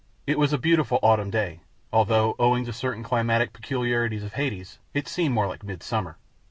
It was a beautiful autumn day, although, owing to certain climatic peculiarities of Hades, it seemed more like midsummer.